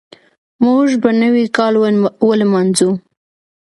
موږ به نوی کال ولمانځو.